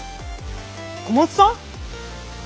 小松さん？